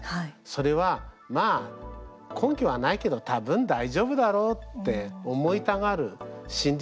それはまあ、根拠はないけどたぶん大丈夫だろうって思いたがる心理状態なんですね。